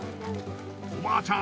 おばあちゃん